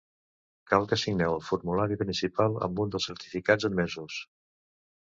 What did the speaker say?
Cal que signeu el formulari principal amb un dels certificats admesos.